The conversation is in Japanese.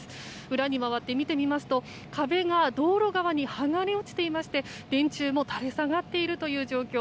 裏に回って見てみますと壁が道路側に剥がれ落ちていまして電柱も垂れ下がっているという状況。